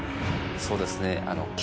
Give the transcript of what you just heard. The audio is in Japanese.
そうですね。